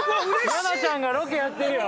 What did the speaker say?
◆山ちゃんがロケやってるよ。